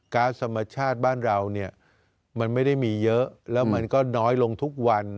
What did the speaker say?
๊าซธรรมชาติบ้านเราเนี่ยมันไม่ได้มีเยอะแล้วมันก็น้อยลงทุกวัน